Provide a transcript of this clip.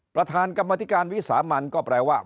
ประธานกรรมธิการวิสามันก็แปลว่า